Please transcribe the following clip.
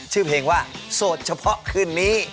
ชื่อเพลงว่าโสดเฉพาะคืนนี้